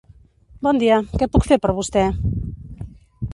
Bon dia, què puc fer per vostè?